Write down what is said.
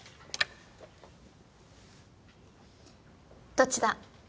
どっちだ。